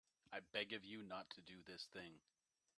I beg of you not to do this thing.